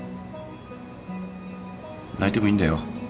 泣いてもいいんだよ。